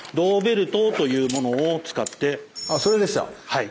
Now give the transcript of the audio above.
はい。